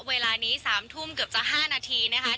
เวลานี้๓ทุ่มเกือบจะ๕นาทีนะคะ